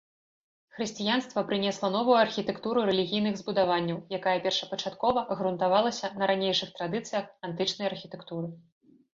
Хрысціянства прынесла новую архітэктуру рэлігійных збудаванняў, якая першапачаткова грунтавалася на ранейшых традыцыях, антычнай архітэктуры.